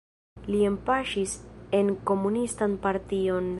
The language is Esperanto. Li enpaŝis en komunistan partion.